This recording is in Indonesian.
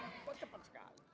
tepuk tangan dulu yang meriah